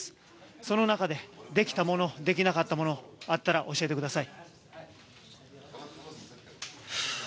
その中でできたもの、できなかったものあったら教えてください。